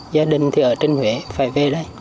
gia đình thì ở trên huế phải về đây